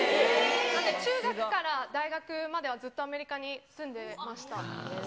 なんで中学から大学まではずっとアメリカに住んでました。